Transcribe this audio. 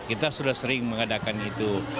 kita sudah sering mengadakan itu